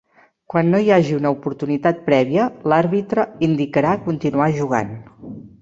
Quan no hi hagi una oportunitat prèvia, l'àrbitre indicarà continuar jugant.